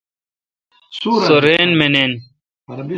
سو راین مانین۔